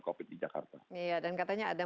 covid di jakarta dan katanya ada